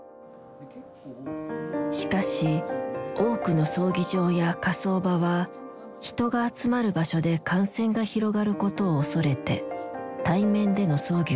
しかし多くの葬儀場や火葬場は人が集まる場所で感染が広がることを恐れて対面での葬儀を自粛した。